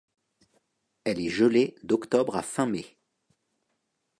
Elle est gelée d'octobre à fin mai.